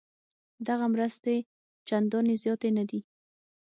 دغه مرستې چندانې زیاتې نه دي.